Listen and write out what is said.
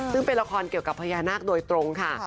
ซึ่งเป็นละครเกี่ยวกับพญานาคโดยตรงค่ะ